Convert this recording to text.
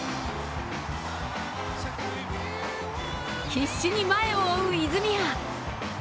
必死に前を追う泉谷。